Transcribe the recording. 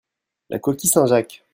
La coquille Saint-Jacques.